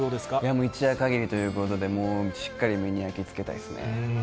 もう一夜限りということで、もう、しっかり目に焼きつけたいですね。